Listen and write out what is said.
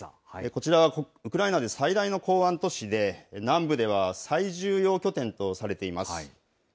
こちらはウクライナで最大の港湾都市で、南部では最重要拠点とされています。